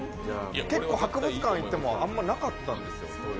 結構、博物館行ってもあんまなかったんですよ。